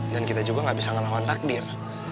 dan kita juga gak bisa ngelawan takdir